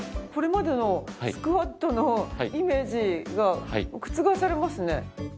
これまでのスクワットのイメージが覆されますね。